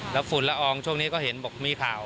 แล้วฝุ่นละอองช่วงนี้ก็เห็นบอกมีข่าว